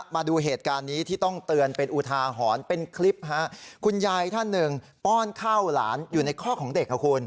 มาดูเหตุการณ์นี้ที่ต้องเตือนเป็นอุทาหรณ์เป็นคลิปคุณยายท่านหนึ่งป้อนข้าวหลานอยู่ในข้อของเด็กครับคุณ